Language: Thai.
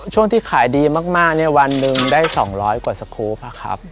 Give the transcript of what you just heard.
ช่วงที่ขายดีมากเนี่ยวันหนึ่งได้๒๐๐กว่าสครูปอะครับ